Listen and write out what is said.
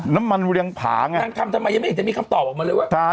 น้ำมันรูเรียงผาง่ะนั่งทำทำไมยังไม่ได้มีคำตอบออกมาเลยวะ